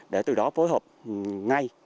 để từ đó phối hợp ngay